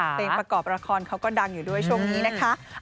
เตรียมประกอบราคอนเขาก็ดังอยู่ด้วยช่วงนี้นะคะ